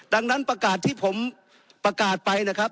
ดังนั้นประกาศที่ผมประกาศไปนะครับ